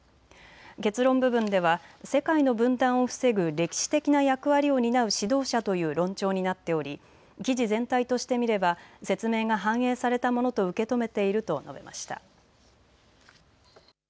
結論部分では世界の分断を防ぐ歴史的な役割を担う指導者という論調になっており記事全体として見れば説明が反映されたものと受け止めていると述べました。